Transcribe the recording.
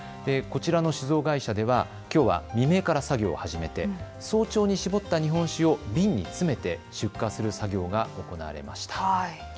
こちらの酒造会社ではきょうは未明から作業を始めて早朝に搾った日本酒を瓶に詰めて出荷する作業が行われました。